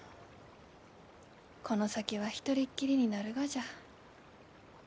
この先は一人っきりになるがじゃ。